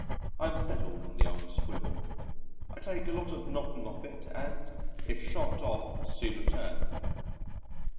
I am settled on the old swivel.... I take a lot of knocking off it and if shot off soon return.